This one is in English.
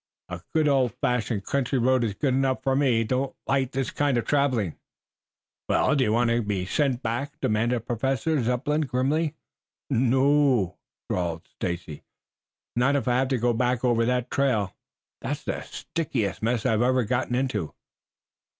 "A good old fashioned country road is good enough for me. I don't like this kind of traveling." "Do you want to be sent back?" demanded Professor Zepplin grimly. "No o o o," drawled Stacy. "Not if I have to go back over that trail. That's the stickiest mess I ever got into."